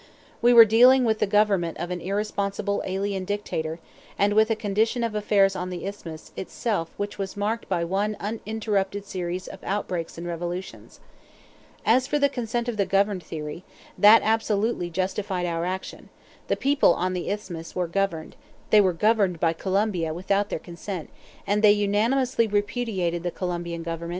We were dealing with the government of an irresponsible alien dictator, and with a condition of affairs on the Isthmus itself which was marked by one uninterrupted series of outbreaks and revolutions. As for the "consent of the governed" theory, that absolutely justified our action; the people on the Isthmus were the "governed"; they were governed by Colombia, without their consent, and they unanimously repudiated the Colombian government, and demanded that the United States build the canal.